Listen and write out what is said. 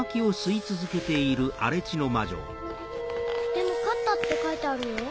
でも勝ったって書いてあるよ。